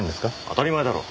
当たり前だろ。